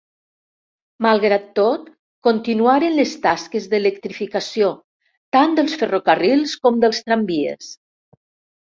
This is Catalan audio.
Malgrat tot, continuaren les tasques d'electrificació, tant dels ferrocarrils com dels tramvies.